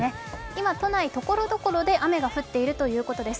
今、都内、ところどころで雨が降っているということです。